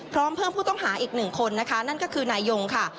พร้อมเพิ่มผู้ต้องหาอีกหนึ่งคนนะคะนั่นก็คือนายยงค่ะ